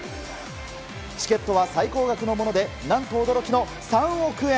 チケットは最高額のもので何と、驚きの３億円！